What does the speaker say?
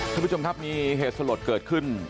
ท่านผู้ชมครับมีเหตุสลดเกิดขึ้น